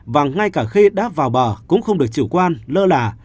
và ngay cả khi đã vào bờ cũng không được chủ quan lơ là